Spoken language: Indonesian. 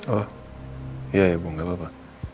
oh iya ibu gak apa apa